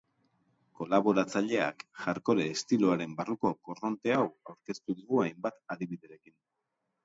Kolaboratzaileak hardcore estiloaren barruko korronte hau aurkeztu digu hainbat adibiderekin.